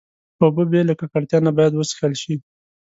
اوبه بې له ککړتیا نه باید وڅښل شي.